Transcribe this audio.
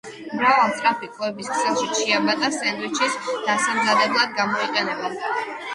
მრავალ სწრაფი კვების ქსელში ჩიაბატა სენდვიჩის დასამზადებლად გამოიყენება.